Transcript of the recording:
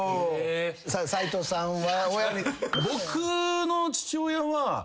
斉藤さんは。